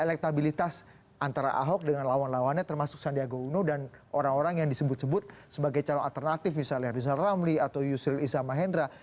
elektabilitas antara ahok dengan lawan lawannya termasuk sandiaga uno dan orang orang yang disebut sebut sebagai calon alternatif misalnya rizal ramli atau yusril iza mahendra